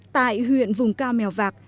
tại huyện vùng cao mèo vạc